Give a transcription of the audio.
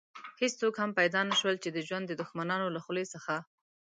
هېڅوک هم پيدا نه شول چې د ژوند د دښمنانو له خولې څخه.